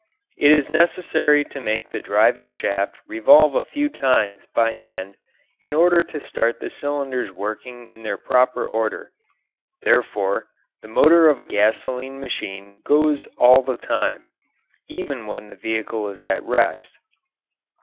It is necessary to make the driving shaft revolve a few times by hand in order to start the cylinders working in their proper order. Therefore, the motor of a gasoline machine goes all the time, even when the vehicle is at rest.